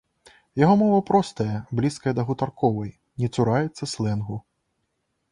Яго мова простая, блізкая да гутарковай, не цураецца слэнгу.